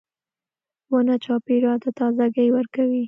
• ونه چاپېریال ته تازهګۍ ورکوي.